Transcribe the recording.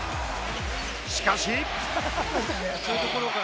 しかし。